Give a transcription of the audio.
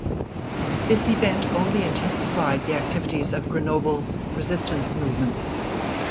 This event only intensified the activities of Grenoble's resistance movements.